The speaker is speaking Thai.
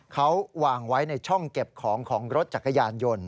เขาวางไว้ในช่องเก็บของของรถจักรยานยนต์